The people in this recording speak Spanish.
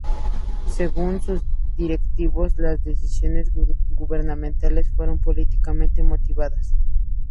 Según sus directivos, las decisiones gubernamentales fueron políticamente motivadas.